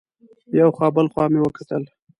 یو خوا بل خوا مې وکتل.